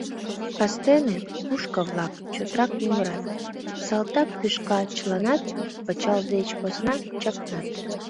Кастене пушка-влак чотрак мӱгырат, салтак тӱшка чыланат пычал деч посна чакнат.